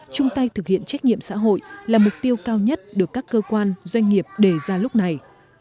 chung tay thực hiện trách nhiệm xã hội là mục tiêu cao nhất được các cơ quan doanh nghiệp đề ra lúc này